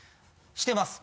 してます。